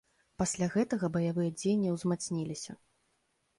Пасля гэтага баявыя дзеянні ўзмацніліся.